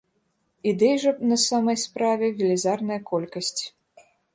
Ідэй жа на самай справе велізарная колькасць.